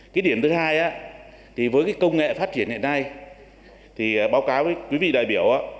cái điểm thứ hai thì với cái công nghệ phát triển hiện nay thì báo cáo với quý vị đại biểu